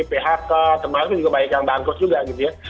phk termasuk juga banyak yang bangkrut juga gitu ya